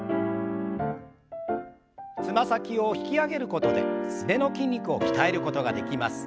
つま先を引き上げることですねの筋肉を鍛えることができます。